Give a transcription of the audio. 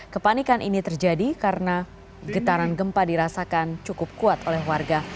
kepanikan ini terjadi karena getaran gempa dirasakan cukup kuat oleh warga